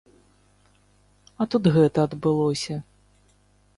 А тут гэта адбылося.